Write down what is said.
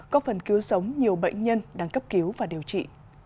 có phần cứu sống nhiều bệnh nhân đang cấp cứu và điều trị